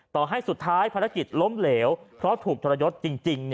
ต่อให้สุดท้ายภารกิจล้มเหลวเพราะถูกทรยศจริง